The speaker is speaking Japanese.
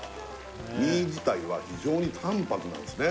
身自体は非常に淡泊なんすね